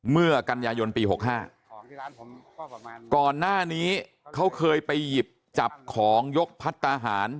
เมื่อกันยายนปี๖๕ก่อนหน้านี้เขาเคยไปหยิบจับของยกพัฒนาหาร